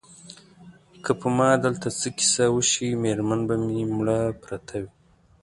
که په ما دلته څه کیسه وشي مېرمنه به مې مړه پرته وي.